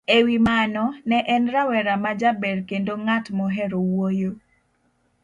E wi mano, ne en rawera ma jaber kendo ng'at mohero wuoyo